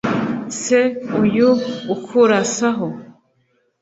se uyu ukurasaho ?